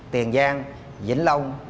tiền giang vĩnh long